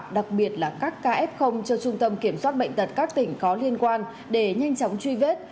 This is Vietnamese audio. đặc biệt là các kf cho trung tâm kiểm soát bệnh tật các tỉnh có liên quan để nhanh chóng truy vết